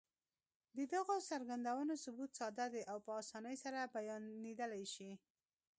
د دغو څرګندونو ثبوت ساده دی او په اسانۍ سره بيانېدلای شي.